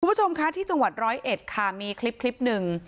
คุณผู้ชมคะที่จังหวัดร้อยเอ็ดค่ะมีคลิปหนึ่ง